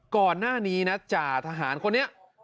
ก่อนหน้านี้นะจ่าทหารคนนี้